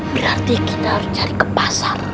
berarti kita harus cari ke pasar